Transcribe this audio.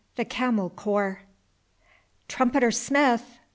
THE CAMEL CORPS. "Trumpeter Smith!